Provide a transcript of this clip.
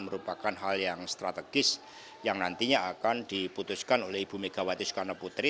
merupakan hal yang strategis yang nantinya akan diputuskan oleh ibu megawati soekarno putri